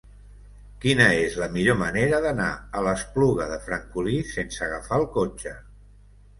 Quina és la millor manera d'anar a l'Espluga de Francolí sense agafar el cotxe?